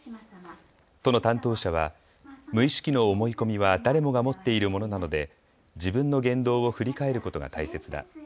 都の担当者は無意識の思い込みは誰もが持っているものなので自分の言動を振り返ることが大切だ。